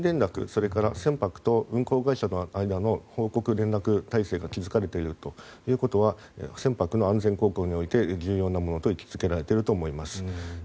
それから船舶と運航会社の間の報告・連絡体制が築かれているということは船舶の安全航行において重要なものと位置付けられていると思います。